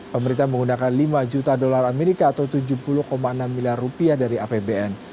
pemerintah menggunakan lima juta dolar amerika atau tujuh puluh enam miliar rupiah dari apbn